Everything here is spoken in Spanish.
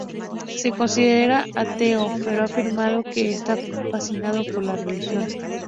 Se considera ateo, pero ha afirmado que está "fascinado" por la religión.